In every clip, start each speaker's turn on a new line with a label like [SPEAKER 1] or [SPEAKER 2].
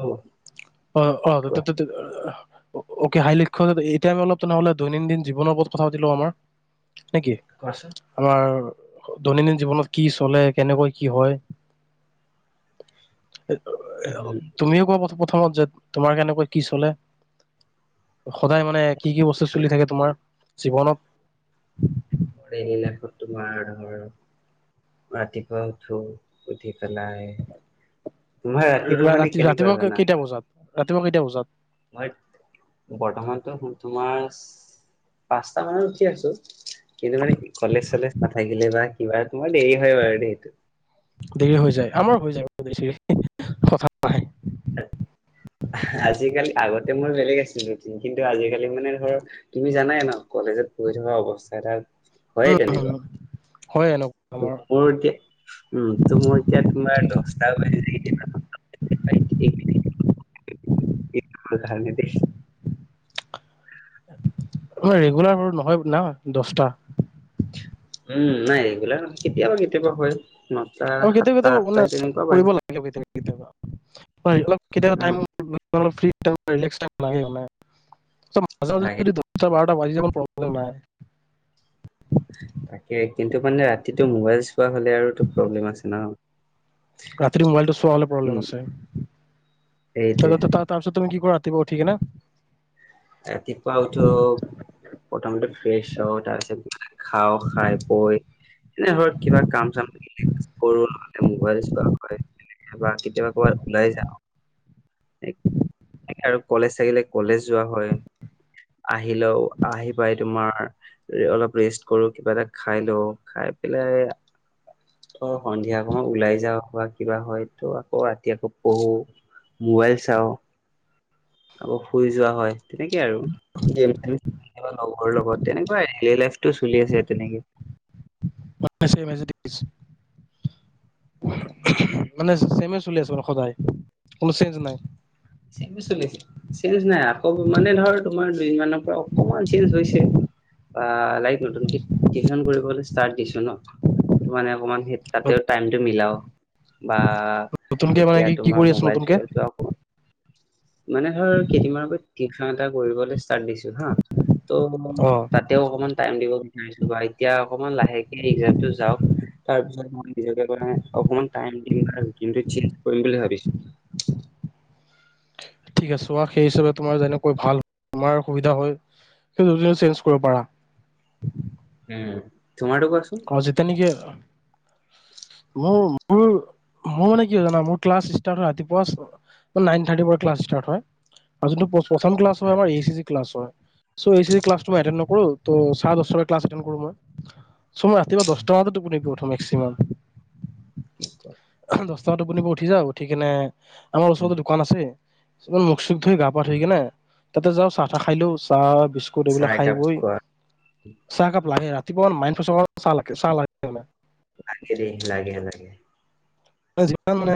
[SPEAKER 1] অহ।
[SPEAKER 2] অ অ তে অকে হাই ল্য এতিয়ামি অলপ তেনেহ'লে দৈনন্দিন জীৱনৰ ওপৰত কথা পাতিোও আমাৰ নেকি
[SPEAKER 1] কোৱাচোন
[SPEAKER 2] আমাৰ দৈনন্দিন জীৱনত কি চলে কেনেকৈ কি হয়। এ ও
[SPEAKER 1] উম,
[SPEAKER 2] তুমি কোৱা প্ৰথমত যে তোমাৰ কেনেকুৱা কি চলে সদায় মানে কি কি বস্তু চলি থাকে তোমাৰ জীৱনত। [inaudible]
[SPEAKER 1] মোৰ এইবিলাকত তোমাৰ ধৰ ৰাতিপুৱা উঠো উঠি পেলাই তোমাৰ ৰাতিপুৱা
[SPEAKER 2] ৰা
[SPEAKER 1] মানে
[SPEAKER 2] ৰাতি
[SPEAKER 1] কেনেকুৱা
[SPEAKER 2] ৰাতিপুৱা
[SPEAKER 1] জানা
[SPEAKER 2] কেইটা বজাত ৰাতিপুৱা কেইটা বজাত
[SPEAKER 1] মই বৰ্তমানতো শুন তোমাৰ পাঁচটা মানত উঠি আছো কিন্তু মানে কলেজ চলেজ নাথাকিলে বা কিবা অ দে এই হয়াইেইটো
[SPEAKER 2] দেৰি হৈ যায় আমাৰ হৈ যায় কথাে
[SPEAKER 1] আজিকালি আগতে মই বেলেগ আছিলো নতুন কিন্তু আজিকালি মানে ধৰ তুমি জানাই ন কলেজত পঢ়ি থকা অৱস্থাত আৰু হয়
[SPEAKER 2] উম উম
[SPEAKER 1] তেনেকুৱা
[SPEAKER 2] হয় এনেকুৱা
[SPEAKER 1] ত
[SPEAKER 2] আমাৰ
[SPEAKER 1] মোৰ এতিয়া উম তো মোৰ এতিয়া তোমাৰ দশটা বি প্ৰধানে দেশ
[SPEAKER 2] অই ৰেগুলাৰ হ নহয় না দহটা।
[SPEAKER 1] উম নাই এইবিলাক নহয় কেতিয়াবা কেতিয়াবা হয় নটা
[SPEAKER 2] আৰু কেতিয়াও
[SPEAKER 1] সাতটা
[SPEAKER 2] কেতিয়াও মানে
[SPEAKER 1] আঠটাই তেনেকুৱা বাজি
[SPEAKER 2] কৰিব
[SPEAKER 1] যায়।
[SPEAKER 2] লাগিব কেতিয় কেতিবা পাই অলপ কেতিয়াবা টাইম
[SPEAKER 1] উম,
[SPEAKER 2] [unintelligible] [unintelligible] বাজ
[SPEAKER 1] লাগে
[SPEAKER 2] য প্ৰব্লেম নাই
[SPEAKER 1] তাকে কিন্তু মানে ৰাতিটো মোবাইল চোৱা হলে আৰুো প্ৰব্লেম আছে ন
[SPEAKER 2] ৰাতিৰ মোবাইলটো চোৱা হলে প্ৰব্লেম
[SPEAKER 1] উম,
[SPEAKER 2] আচে
[SPEAKER 1] সেইটোৱে
[SPEAKER 2] তাৰপিছত তুমি কি কৰা ঠিক ন
[SPEAKER 1] ৰাতিপুৱা উঠো প্ৰথমতে ফ্ৰেছ হও তাৰপিছত ভাত খাও, খাই বৈ এনে ধৰক কিবা কাম চাম কৰোলে মোবাইল চোৱা হয় বা কেতিয়াবা কবাত ওলাই যাওঁ। আৰু কলেজ থাকিলে কলেজ যোৱা হয় আহি লও আহি পাই তোমাৰ অলপ ৰেষ্ট কৰো কিবা এটা খাই লওঁ খাই পেলাই সন্ধিয়া সময়ত ওলাই যাওঁ বা কিবা হয় ত আকৌ ৰাতি আকৌ পঢ়ো। মোবাইল চাওঁ। আকৌ শুই যোৱা হয়। তেনেকে আৰু গেম লগৰ লগত তেনেকুৱাই লাইফটো চলি আছে তেনেকে
[SPEAKER 2] মানে চম চল আছে মানে সদায় কোনো চেঞ্জ নাই
[SPEAKER 1] চলি আছে, চেঞ্জ নাই আকৌ মানে ধৰ তোমাৰ দুদিনমানৰ পৰা অকমান চেঞ্জ হৈছে বা লাইক নতুনক টি কৰিবলৈ ষ্টাৰট দিছো ন মাতে অকমান। [unintelligible] স তাতেও টাইম টো মিলাও বা
[SPEAKER 2] নতুনকে মানে
[SPEAKER 1] এতিয়া
[SPEAKER 2] কি কি
[SPEAKER 1] তোমাৰ
[SPEAKER 2] কৰি আছো
[SPEAKER 1] মোবাইল
[SPEAKER 2] নতুনকে
[SPEAKER 1] চোবাইলটো অকমান মানে ধৰ কেইদিনমান আক টিউশ্যন এটা কৰিবলৈ তাতদিছো হা ত
[SPEAKER 2] অ
[SPEAKER 1] মই টাতে অকমাণ টাইম দিব বিচাৰিছোঁ বা অতিয়া অকমান লহেকে ইংৰাজী টো যাওক [unintelligible] নিজে মানে অকমান টাইম দিম বা কিন্তু চেঞ্জ কৰিম বুলি ভাবিচো
[SPEAKER 2] ঠিক আছে সেই হিচাপে তোমাৰ যেনেকৈ ভাল তমাৰ সুবিধা হয় চেঞজ কৰিব পাৰা
[SPEAKER 1] উম তোমাৰটো কোৱাচোন?
[SPEAKER 2] অ যেতিয়া নেকি মোৰ মোৰ মোৰ মানে কি হয় জানা মোৰ ক্লাছ ইষ্টাত হয় ৰাতিপুৱা ছ নাইন থাৰ্টীৰ পৰা ক্লাছ ইষ্টাত হয় আৰু যোনতো প প্ৰথম ক্লাছ হয় আমাৰ এই ছি ছি ক্লাছ হয়। [unintelligible] চৌ এই ছি জি ক্লাছটো মই এটেন্ড নকৰো তৌ চাৰ দশটাৰ পৰা ক্লাছ এটেন্ড কৰো মই [unintelligible] সময় ৰাতিপুৱা দহটা বানাত তোপনীৰ পৰা উঠিমে [unintelligible] সিমা [unintelligible] দ চ টোপনি পৰা উঠি যাও উঠিকেনে আমাৰ ওচৰতে দোকান আছে কিমান মুখ চুখ ধৰি গা পা ধুই কি না তাতে যাওঁ চাহ তাহ খাই লো চাহ বিস্কুট
[SPEAKER 1] চাহ
[SPEAKER 2] এইবিলাক খাই
[SPEAKER 1] একাপ
[SPEAKER 2] গৈ
[SPEAKER 1] খোৱা
[SPEAKER 2] চাহকাপ লাগে ৰাতি ঠিক বন মাইনফেচৰ [unintelligible] চালাকে চালাকি বোলে [unintelligible]
[SPEAKER 1] লাগে লাগে লাগে
[SPEAKER 2] অ যিমান মানে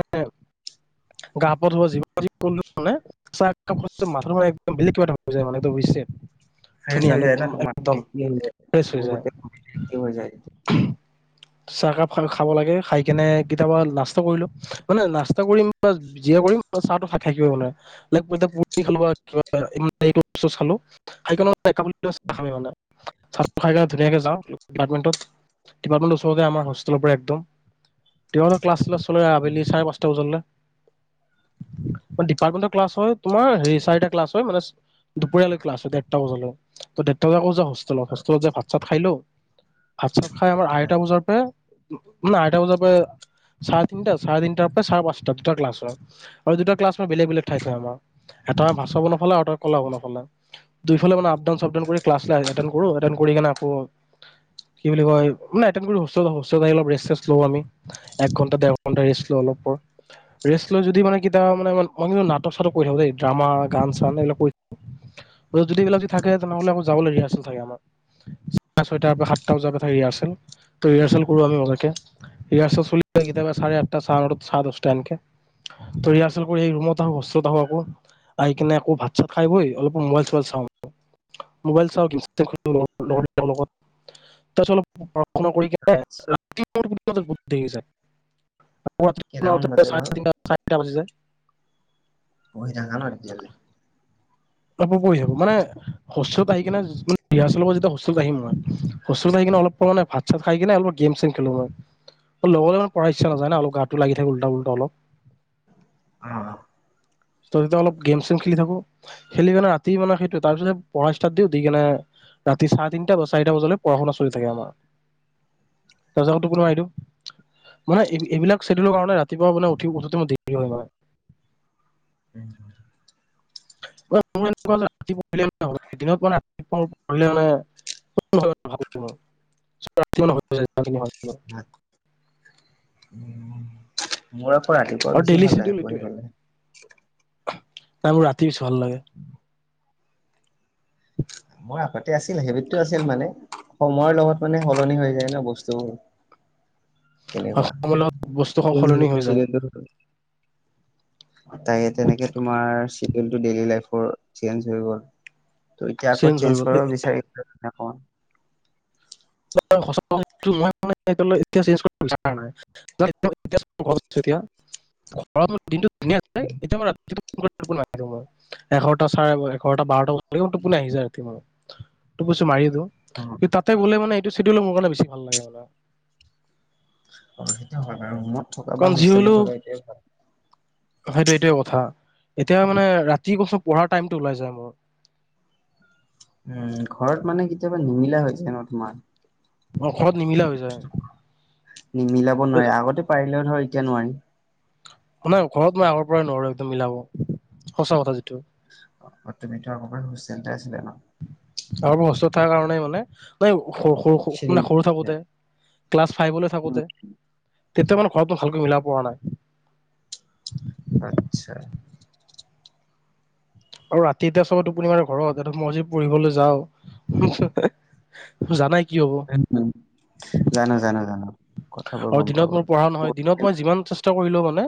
[SPEAKER 2] [inaudible] গাপ ধুৱা যিমান যি কৰিলেও মানে চাহ একাপ খালে মাথাটো মানে একম বেলেগ কিবা ধৰণৰ হৈ যায় মানে এইটো বুজিছে? [unintelligible]
[SPEAKER 1] ফ্ৰচ হৈ যায় ন তোমাৰ
[SPEAKER 2] ফ্ৰেছ হৈ যায়।
[SPEAKER 1] গো [unintelligible]
[SPEAKER 2] চাহকাপ খ খাব লাগে খাই কেনে কেতিয়াবা নাচ ো মানে নাছটা কৰিম জিয়ে কৰিম চাহটো থাক থাকিব মানে [unintelligible] কাপামি মানে [unintelligible] ধুনীয়াকে যাৰ ওচৰতে আমাৰ হোৰ পৰা একম ক্লাছল আবেলি চাৰে পাঁচটা বজালৈ ডিপাৰ্টমেন্টৰ ক্লাছ হয় তোমাৰ হেৰি চাৰিটা ক্লাছ হয় মানে দুপৰীয়ালৈ ক্লাছ হয় দেৰটা বজালৈ দেৰটা বজাৌ বজা ত হেলত যে ভাত চাত খাই লো [unintelligible] চাত খাই আমাৰ আহৈতা
[SPEAKER 1] হয়।
[SPEAKER 2] বজাৰ পৰা ন আঠটা বজা প [unintelligible] সাত চাৰে পচ্লা হয় আৰু দুটা ক্লা বেলেগ বেলেগ ঠাই আমাৰ এটা ভা আৰু কলাফালে মানে আপাউনাউন কৰি্লানে আকৌ বুলি ক মে আমিণ্টাৰ [unintelligible] ৰে ল অলপ ৰেষ্ট লৈ যদি মানে কা মানে মই কিন্তু নাটক চাটক কৰি থাকওঁ দেই ড্ৰামা গান চান এইবিলাক কৰি থ যদি এইবিলাক [unintelligible] থাকে তেনেহ'লে আকৌ যাবলগীয়া আছিল। [unintelligible] চাৰে ছয়তাৰ পৰা সাতটা বজাৰ পৰা থাকে ৰিহাৰ্চেল। তৌ ৰিহাৰ্চেল কৰো আমি মজাকে, ৰিহাৰ্চেল চলিলে কিতাবা চাৰে আঠটা, চাৰে নটা, চাৰে দচটা এনকে। ত' ৰিহাৰ্ছেল কৰি সেই ৰুমত আহু, হোষ্টেলত আহু আকৌ আহি কিনে আকৌ ভাত চাত খাই বৈ অলপ মবাইল চবাইল চাওঁ, মবাইল চাওঁ [unintelligible] কৰোঁ লগৰ - লগৰ কিতাৰ লগত। তাৰপিছত অলপ পঢ়া-শুনা কৰি কেনে [unintelligible]
[SPEAKER 1] কেইটামান
[SPEAKER 2] [unintelligible] চাৰে
[SPEAKER 1] বাজে ধৰ
[SPEAKER 2] তিনিটা, চাৰিটা বাজি যায়।
[SPEAKER 1] পঢ়ি থাকা ন তেতিয়ালৈ?
[SPEAKER 2] [unintelligible] পৰি থাকো মানে হোষ্টেলত আহি কেনে [unintelligible] ৰিহাৰ্ছেল হব যেতিয়া হোষ্টেলত আহিম মই। হোষ্টেলত আহি কেনে অলপ মানে ভাত চাত খাই কেনে অলপ গেম চেম খেলো মই, [unintelligible] পঢ়াৰ ইচ্ছা নাযায় না অলপ গাটো লাগি থাকে উল্টা উল্টা অলপ।
[SPEAKER 1] অ'।
[SPEAKER 2] ত' তেতিয়া অলপ গেম চেম খেলি থাকো। খেলি কেনে ৰাতি মানে সেইটো তাৰপিছত পঢ়া ষ্টাৰ্ট দিও দি কেনে ৰাতি চাৰে তিনটা বা চাৰিটা বজালে পঢ়া শুনা চলি থাকে আমাৰ, তাৰপিছত আকৌ টুপনিও আহি দিও, মানে এই - এইবিলাক চেডুলৰ কাৰণে ৰাতিপুৱা মানে উঠি - উঠোতে মোৰ দেৰি হয় মানে। [unintelligible]
[SPEAKER 1] উম, মোৰ আকৌ ৰাতিপুৱা
[SPEAKER 2] আৰু
[SPEAKER 1] বেছি
[SPEAKER 2] ডেইলি
[SPEAKER 1] ভাল
[SPEAKER 2] চেডিউল
[SPEAKER 1] লাগে পঢ়ি
[SPEAKER 2] এইটোৱে।
[SPEAKER 1] পেলে।
[SPEAKER 2] নাই মোৰ ৰাতি [unintelligible] ভাল লাগে।
[SPEAKER 1] মই আগতে আছিল হেবিতটো আছিল মানে সময়ৰ লগত মানে সলনি হৈ যায় ন বস্তুবোৰ। তেনেকুৱা
[SPEAKER 2] সময়ৰ বস্তু স - সলনি হৈ যায়।
[SPEAKER 1] তাকে তেনেকে তোমাৰ চিডীউলটো ডেইলি লাইফ ফৰ চেঞ্জ হৈ গ'ল। ত' ইটিয়া আকৌ
[SPEAKER 2] হৈ
[SPEAKER 1] চেঞ্জ
[SPEAKER 2] গ'ল।
[SPEAKER 1] কৰিব বিচাৰি [unintelligible] [unintelligible]
[SPEAKER 2] [unintelligible] [unintelligible] এতিয়া মই [unintelligible] এঘৰটা, চাৰে এঘাৰটা, বাৰটা বজা [unintelligible] টোপোনি আহি যায় ৰাতি মোৰ। [unintelligible] মাৰি দিও। [unintelligible] তাতে গলে মানে [unintelligible] টো চিডীউলে মোৰ কাৰণে বেছি ভাল লাগে মানে।
[SPEAKER 1] অ' সেইটো হয় বাৰু। [unintelligible]
[SPEAKER 2] কাৰণ যি
[SPEAKER 1] হোষ্টেলত
[SPEAKER 2] হলেও,
[SPEAKER 1] থকা এইটোৱে ভাল
[SPEAKER 2] সেইতো এইটোৱে কথা। এতিয়া মানে ৰাতি [unintelligible] পঢ়াৰ টাইমটো ওলাই যায় মোৰ।
[SPEAKER 1] উম, ঘৰত মানে কেতিয়াবা নিমিলা হৈ যায় ন তোমাৰ?
[SPEAKER 2] [unintelligible] হৈ যায়
[SPEAKER 1] [unintelligible] নিমিলাব নোৱাৰি আগতে পাৰিলেও ধৰ তিয়া নোৱাৰি।
[SPEAKER 2] মানে ঘৰত মই আগৰ পৰাই নোৱাৰো একদম মিলাব, সঁচা কথা যিটো।
[SPEAKER 1] অ' তুমিতো আগৰ পৰা হোষ্টেলতে আছিলা ন?
[SPEAKER 2] আগৰ পৰা হোষ্টেলত থাকা কাৰণে মানে, [unintelligible] সৰু - সৰু - সৰু মানে সৰু থাকোতে ক্লাছ ফাইভলৈ থাকোতে তেতিয়া মানে ঘৰত মই ভালকৈ মিলাব পৰা নাই।
[SPEAKER 1] আত্ছা।
[SPEAKER 2] আৰু ৰাতি এতিয়া চবে টোপুনি মাৰে ঘৰত, এইটোত মইজি পঢ়িবলৈ যাও, [unintelligible] জানাই কি হব
[SPEAKER 1] উম জানো জানো জানো কথাবোৰ
[SPEAKER 2] আৰু
[SPEAKER 1] গম পাওঁ
[SPEAKER 2] দিনত মোৰ পঢ়া নহয়
[SPEAKER 1] বাৰু
[SPEAKER 2] দিনত মই যিমান চেচ- ষ্টা কৰিলেও মানে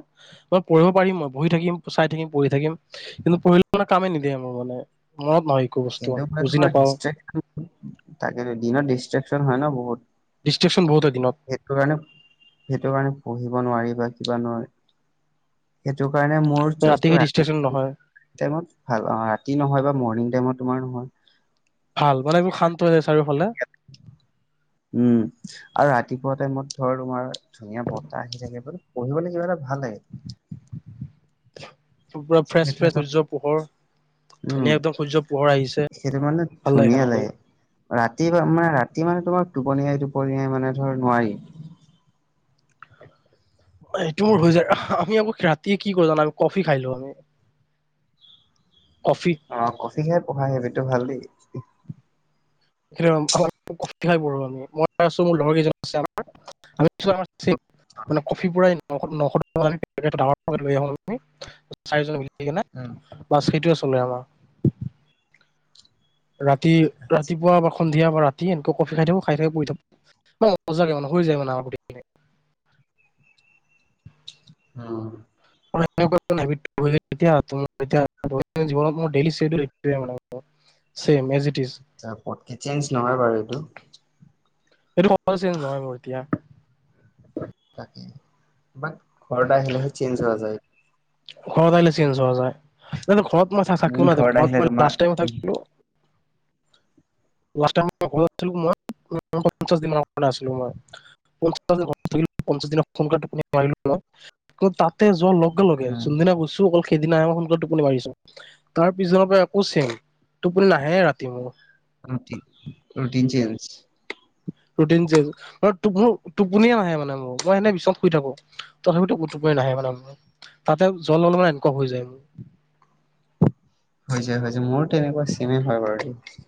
[SPEAKER 2] মই পঢ়িব পাৰিম মই বহি থাকিম চাই থিম পঢ়ি থাকিম কিন্তু পঢ়িলেও মানে কামেই নিদিয়ে মোৰ মানে মনত নহয় একো বস্তু
[SPEAKER 1] কিন্তু মই
[SPEAKER 2] বুজি
[SPEAKER 1] তোমাৰ
[SPEAKER 2] নাপাওঁ
[SPEAKER 1] [unintelligible] থাকে টো দিনত [unintelligible] একচন হয় ন বহুত
[SPEAKER 2] ডিষ্ট্ৰেছন বহুত হয় দিনত
[SPEAKER 1] সেইটো কাৰণে সেইটো কাৰণে পঢ়িব নোৱাৰিবা কিবা নহয় সেইটো কাৰণে মোৰ
[SPEAKER 2] ৰাতি সেই
[SPEAKER 1] চইচটো
[SPEAKER 2] ডিষ্ট্ৰেকচন নহয়
[SPEAKER 1] [unintelligible] ভাল ৰাতি নহয় বা মৰ্ণিং টাইমত তোমাৰ নহয়।
[SPEAKER 2] ভাল। মানে এইবোৰ শান্ত হৈ আছে। চাৰিওফালে
[SPEAKER 1] উম আৰু ৰাতিপুৱা টাইমত ধৰ তোমাৰ ধুনীয়া বতাহ আহি থাকে পঢ়িবলৈ কিবা এটা ভালে
[SPEAKER 2] [unintelligible] পুৰা ফ্ৰেছ ফ্ৰেচ সূৰ্য্য পোহৰ
[SPEAKER 1] উম
[SPEAKER 2] ধুনীয়া একদম সূৰ্যৰ পোহৰ আহিছে
[SPEAKER 1] সেইটো মানে
[SPEAKER 2] ভাল লাগে
[SPEAKER 1] ধুনীয়া
[SPEAKER 2] সেনেকৈ
[SPEAKER 1] ৰাতি বা মানে ৰাতি মানে তোমাৰ টোপনিয়াই টোপনিয়াই মানে ধৰ নোৱাৰি
[SPEAKER 2] এইটো মোৰ হৈ যায় আমি আকৌ ৰাতিয়ে কি কৰ জানো আমি কফি খাই লো আৰু
[SPEAKER 1] অ কফিহে পঢ়াই [unintelligible] সেইটো ভালে দেই
[SPEAKER 2] [unintelligible] কফি খাই বহুত ভাল লাগে মই আছো মোৰ লগৰ কেইজন আছে আমাৰ আৰু [unintelligible] মানে কফি পোৰাই নাই নশ নশ টকা দি পেকেটটো ডাঙৰ পেকেট লৈ আহো আমি চাৰিজন মিলি উঠিকেনে
[SPEAKER 1] উম
[SPEAKER 2] বাচ সেইটোৱে আ চলে আমা ৰাতি
[SPEAKER 1] আচ্ছা।
[SPEAKER 2] ৰাতিপুৱা বাখন কেতিয়াবা ৰাতি এনেকুৱা কফি খাই থাকো খাই থাক পঢ়ি থাকো [unintelligible] মানে হৈ যায় মানে [unintelligible]
[SPEAKER 1] অহ
[SPEAKER 2] এনেকুৱাকে নেভিত পঢ়িলে এতিয়া [unintelligible] জীৱনত মোৰ চেডোল এইটোৱে মানে
[SPEAKER 1] যা পতকে চেঞ্জ নহয় বাৰু এইটো।
[SPEAKER 2] সেইটো ক [unintelligible] ঘৰৰ মূৰ্তিয়া
[SPEAKER 1] তাকে বা ঘৰ আহিলেহে চেঞ্জ হোৱা যায়
[SPEAKER 2] ঘত আহিলে চেইঞ্জ হোৱা যায় নন ঘৰত মই
[SPEAKER 1] উম
[SPEAKER 2] [unintelligible] ঘৰত
[SPEAKER 1] আহিলে
[SPEAKER 2] মই
[SPEAKER 1] তোমাৰ
[SPEAKER 2] লাষ্ট টাইম
[SPEAKER 1] উম
[SPEAKER 2] থাকিলো লাষ্ট টাইম অকলে আছিলো মই অকলে পঞ্চাছ দিন মান অকলে আছিলো মই পঞ্চাছ দিন এনেকুৱা টোপনি মাৰিলোঁ মই, কিন্তু তাতে যোৱাৰ লগে লগে যোন দিনা গৈছোঁ অকল সেইদিনা আহে মই সোনকালে টোপনি মাৰিছো তাৰ পিছনৰ পৰা আকৌ চেম। টোপনি নাহে ৰাতি মোৰ।
[SPEAKER 1] ৰুটি ৰুটিন চেঞ্জ।
[SPEAKER 2] ৰুটিন চেঞ্জ আৰু মোৰ টোপনিয়ে নাহে মানে মোৰ মই এনেই বিছনাত শুই থাকো তথাপিতো টোপনি নাহে মানে মোৰ তাতে জল অলপমান এনেকুৱা হৈ যায় মোৰ ।
[SPEAKER 1] হৈ যায় হৈ যায় মোৰো তেনেকুৱা চেমেই হয় বাৰু দেই।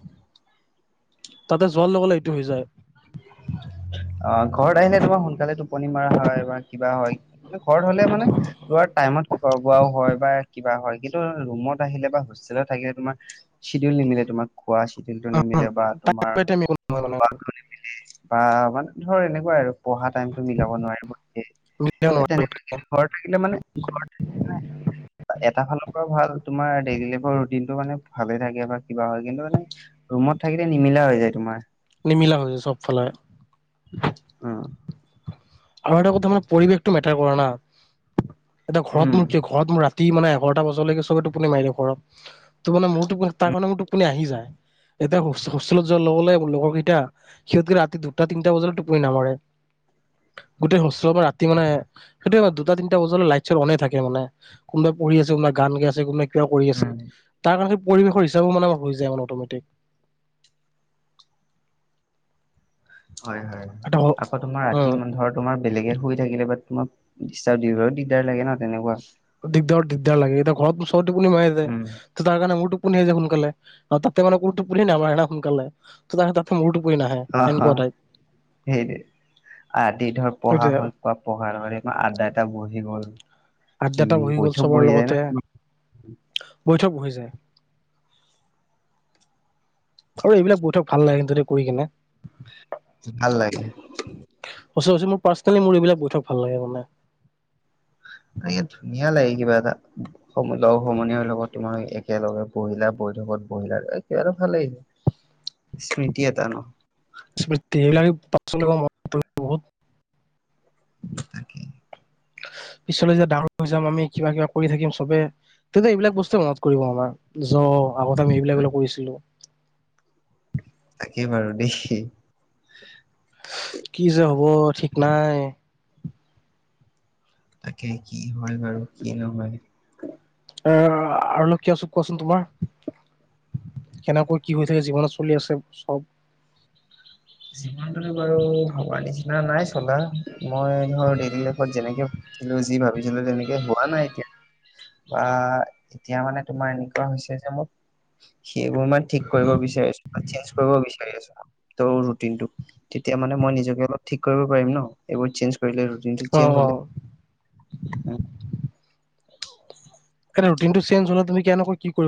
[SPEAKER 2] তাতে যোৱা লগে লগে এইটো হৈ যায়।
[SPEAKER 1] অ ঘৰত আহিলে তোমাৰ সোনকালে টোপনি মৰা হয় বা কিবা হয়। ঘৰত হ'লে মানে পুৰা টাইমত খোৱা বোৱাও হয় বা কিবা হয় কিন্তু ৰুমত আহিলে বা হোষ্টেলত থাকিলে তোমাৰ চিডিউল নিমিলে তোমাৰ। খোৱা চিডিউলটো নিমিলে বা তোমাৰ শুৱা টো নিমিলে। বা মানে ধৰ এনেকুৱা আৰু। পঢ়া টাইমতটো মিলাব নোৱাৰিব ঠিকেই এই তেনেকুৱা কিন্তু ঘৰত থাকিলে মানে এ এটা ফালৰ পৰাও ভাল তোমাৰ ডেইলি লাইফৰ ৰুটিনটো মানে ভালে থাকে বা কিবা হয়, কিন্তু মানে ৰুমত থাকিলে নিমিলা হৈ যায় তোমাৰ।
[SPEAKER 2] নিমিলা হৈ যায় চব। ফালে
[SPEAKER 1] আহ।
[SPEAKER 2] আৰু এটা কথা মানে পৰিৱেশটো মেটাৰ কৰে না। [inaudible] এতিয়া ঘৰত
[SPEAKER 1] উম,
[SPEAKER 2] মোৰ কিয়? ঘৰত মোৰ ৰা যি মানে এঘাৰটা বজালৈকে চবে টোপনি মাৰি দে ঘৰত, ত মানে যি মোৰ টোপ তাৰ
[SPEAKER 1] উম,
[SPEAKER 2] কাৰণে মোৰ টোপনি আহি যায় এতিয়া হোষ্টেলত যোৱাৰ লগে লগৰকেইটা সিহঁতকে ৰাতি দুটা তিনিটা বজালৈ টোপনি নামাৰে। গোটেই হোষ্টেলৰ পৰা ৰাতি মানে সেইটোৱে দুটা তিনিটা বজালৈ লাইট চাইত অ'নে থাকে, মানে কোনোবাই পঢ়ি আছে, কোনোবাই গান গাই আছে, কোনোবাই কিবা কৰি আছে
[SPEAKER 1] উম,
[SPEAKER 2] তাৰ কাৰণে পৰিৱেশৰ হিচাপো মানে হৈ যায় মানে অটমেটিক।
[SPEAKER 1] হয় হয় হয়
[SPEAKER 2] এটা
[SPEAKER 1] আকৌ তোমাৰ ৰাতি মানে ধৰ তোমাৰ বেলেগে শুই থাকিলে বা তোমাক দিষ্ট্ৰাব দিবাও দিগদাৰ লাগে ন তেনেকুৱা।
[SPEAKER 2] দিগদাৰ দিগদাৰ লাগে এতিয়া ঘৰত অ টোপনি মাৰাই যায়
[SPEAKER 1] উম।
[SPEAKER 2] ত তাৰ কাৰণে মোৰ টো টোপনি আহি যায় সোনকালে আৰু তাতে মানে কোনো টোপনি নামাৰে না সোনকালে, তাৰ তাতে মোৰটো
[SPEAKER 1] হাঁ হাঁ সেইটো আদি ধৰ পঢ়া
[SPEAKER 2] সেইটোৱে
[SPEAKER 1] হ'ল পোৱা পঢ়াৰ আদ্দা এটা বহি গ'ল।
[SPEAKER 2] আদ্দটা
[SPEAKER 1] উম,
[SPEAKER 2] বহি গ'ল
[SPEAKER 1] বৈঠক
[SPEAKER 2] চবৰ
[SPEAKER 1] বহি যায়
[SPEAKER 2] লগতে
[SPEAKER 1] ন
[SPEAKER 2] বৈঠক হৈ যায়। আৰু এইবিলাক বৈঠক ভাল লাগে কিন্তু এ কৰি কিনে
[SPEAKER 1] ভাল লাগে
[SPEAKER 2] অ মোৰ পাৰ্চনেলি মোৰ এইবিলাক বৈঠক ভাল লাগে মানে
[SPEAKER 1] এনেকে ধুনীয়া লাগে কিবা লগ সমনীয়াৰ লগত তোমাৰ একেলগে বহিলা বঠকত বহিলা কিবা এটা ভাল লাগিছিল স্মৃতি এটা নহয়
[SPEAKER 2] স্মৃতি সেইবিলাকে পাচল বহুত
[SPEAKER 1] তাকে
[SPEAKER 2] পিছলৈ যেতিয়া ডাঙৰ হৈ যাম আমি কিবা কিবা কৰি থাকিম চবে তেতিয়া এইবিলাক বস্তুৱে মনত কৰিব আমাৰ জ আগতে আমি এইবিলাক এইিলাক কৰিছিলো
[SPEAKER 1] তাকেই বাৰু দেই
[SPEAKER 2] কি যে হ'ব ঠিক নাই
[SPEAKER 1] তাকে কি হয় বাৰু কি নহয়
[SPEAKER 2] এ আৰু লক্ষিয় চো কোৱাচোন তোমাৰ কেনেকৈ কি হৈ থাকে জীৱনত চলি আছে চব
[SPEAKER 1] যিমানটো বাৰু ভবা নিচিনা নাই চলা মই ধৰ ডেইলি লাইফত যেনেকে ছিলো যি ভাবিছিলো তেনেকে হোৱা নাই এতিয়া বা এতিয়া মানে তোমাৰ এনেকুৱা হৈছে যে মোক সেইবোৰ মে ঠিক কৰিব বিচাৰিছো চেঞ্জ কৰিব বিচাৰি আছো ত ম ম কৰিব
[SPEAKER 2] অ অ
[SPEAKER 1] ঞজ হ
[SPEAKER 2] এ ৰুটিনটো চে হলে তুমি কেনেক কি কৰিব